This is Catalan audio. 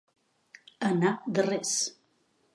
Anar de res.